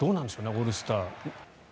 オールスター。